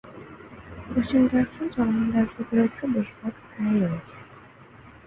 পশ্চিম Darfur চলমান Darfur বিরোধের বেশিরভাগ স্থানেই রয়েছে।